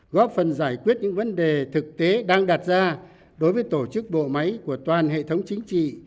góp phần giải quyết những vấn đề thực tế đang đặt ra đối với tổ chức bộ máy của toàn hệ thống chính trị